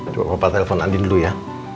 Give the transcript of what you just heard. coba papa telfon andin dulu ya